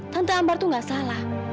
tante ambar tuh gak salah